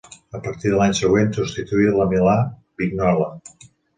A partir de l'any següent substituí la Milà-Vignola.